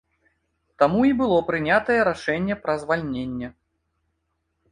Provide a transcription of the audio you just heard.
Таму і было прынятае рашэнне пра звальненне.